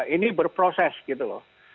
ini berproses gitu loh